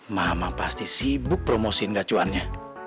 mama pasti sibuk promosiin gacuannya